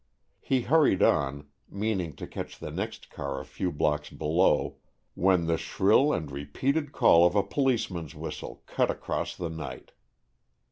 He hurried on, meaning to catch the next car a few blocks below, when the shrill and repeated call of a policeman's whistle cut across the night.